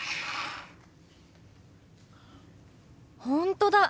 本当だ！